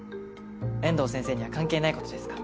遠藤先生には関係ないことですか？